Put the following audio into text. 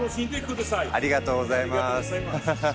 ありがとうございます。